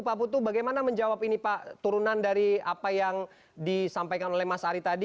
pak putu bagaimana menjawab ini pak turunan dari apa yang disampaikan oleh mas ari tadi